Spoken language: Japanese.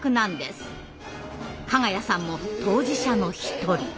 加賀谷さんも当事者の一人。